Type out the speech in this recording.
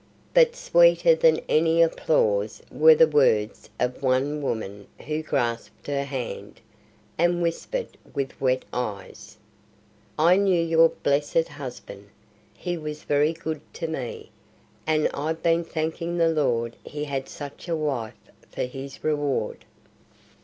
But sweeter than any applause were the words of one woman who grasped her hand, and whispered with wet eyes: "I knew your blessed husband; he was very good to me, and I've been thanking the Lord he had such a wife for his reward!"